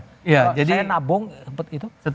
kalau saya nabung seperti itu